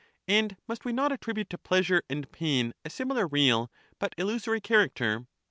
And must we not attribute to pleasure and pain a similar real but illusory character?